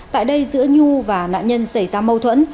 tại đây giữa nhu và nạn nhân xảy ra mâu thuẫn